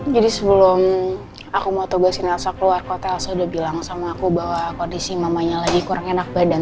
jadi sebelum aku mau tugasin elsa keluar kota elsa udah bilang sama aku bahwa kondisi mamanya lagi kurang enak badan